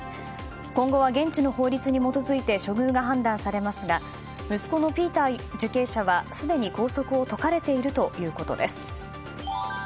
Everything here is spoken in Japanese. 今後は現地の法律に基づいて処遇が判断されますが息子のピーター受刑者はすでに拘束を解かれているということです。